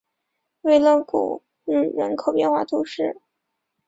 维勒古日人口变化图示